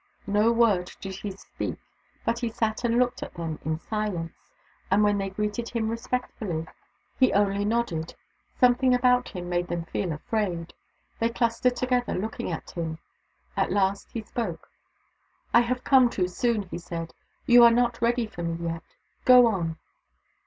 No word did he speak, but he sat and looked at them in silence, and when they greeted him respectfully he 176 THE DAUGHTERS OF WONKAWALA only nodded. Something about him made them feel afraid. They clustered together, looking at him At last he spoke. " I have come too soon," he said. " You are not ready for me yet. Go on."